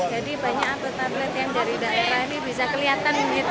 jadi banyak atlet atlet yang dari daerah ini bisa kelihatan gitu